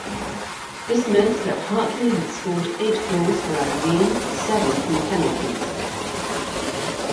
This meant that Hartley had scored eight goals for Aberdeen, seven from penalties.